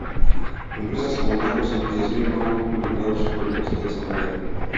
Empresas como Microsoft y Smirnoff han publicitado sus productos de esa forma.